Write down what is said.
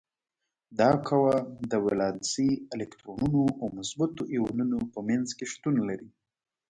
دا قوه د ولانسي الکترونونو او مثبتو ایونونو په منځ کې شتون لري.